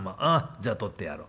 じゃあ取ってやろう。